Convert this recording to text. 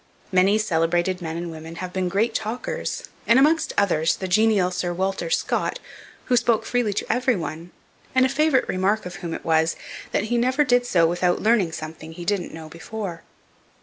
Many celebrated men and women have been great talkers; and, amongst others, the genial Sir Walter Scott, who spoke freely to every one, and a favourite remark of whom it was, that he never did so without learning something he didn't know before.